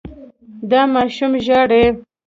دا ماشوم ژاړي.